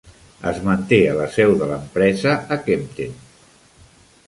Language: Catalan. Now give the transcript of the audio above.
Es manté a la seu de l'empresa a Kempten.